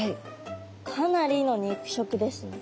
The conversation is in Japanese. かなりの肉食ですね。